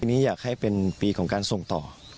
อันนี้อยากให้เป็นปีของการส่งต่อ